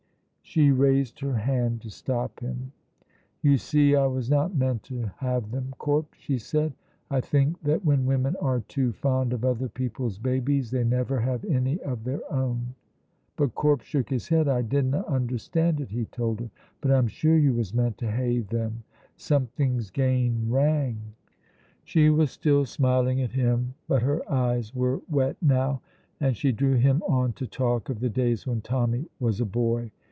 She raised her hand to stop him. "You see, I was not meant to have them, Corp," she said. "I think that when women are too fond of other people's babies they never have any of their own." But Corp shook his head. "I dinna understand it," he told her, "but I'm sure you was meant to hae them. Something's gane wrang." She was still smiling at him, but her eyes were wet now, and she drew him on to talk of the days when Tommy was a boy.